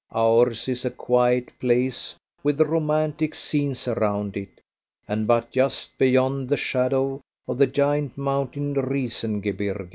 Ours is a quiet place with romantic scenes around it, and but just beyond the shadow of the giant mountain Riesengebirge.